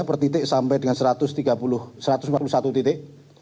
pertitik sampai dengan satu ratus empat puluh satu titik